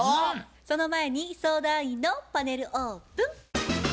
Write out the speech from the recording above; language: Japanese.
その前に相談員のパネルオープン。